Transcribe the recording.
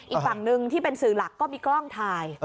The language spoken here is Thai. อีกฝั่งหนึ่งที่เป็นสื่อหลักก็มีกล้องถ่าย